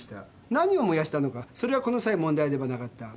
何を燃やしたのかそれはこの際問題ではなかった。